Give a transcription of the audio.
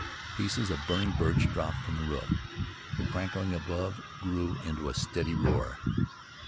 Pieces of burning birch dropped from the roof. The crackling above grew into a steady roar.